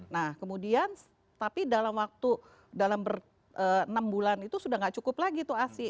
nah kemudian tapi dalam waktu dalam enam bulan itu sudah tidak cukup lagi tuh asi